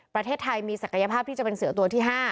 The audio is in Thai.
ประเทศไทยมีศักยภาพที่จะเป็นเสือตัวที่๕